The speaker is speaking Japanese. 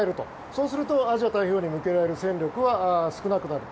そうすると、アジア太平洋に向けられる戦力は少なくなる。